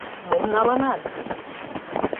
Мом налынат?